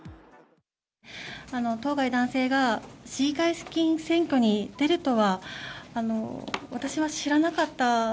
当該男性が、市議会議員選挙に出るとは、私は知らなかった。